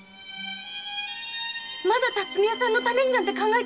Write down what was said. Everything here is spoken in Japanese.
まだ「巽屋さんのために」なんて考えてるの？